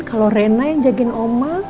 kalau rena yang jagin oma